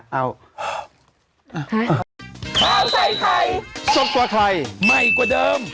เอาข้าวใส่ไทยสดกว่าไทยใหม่กว่าเดิม